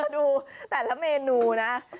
ดูแต่ละเมนูนะ